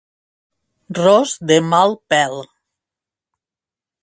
Ros de mal pèl.